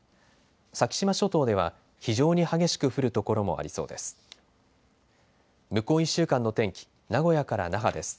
先島諸島では非常に激しく降る所もありそうです。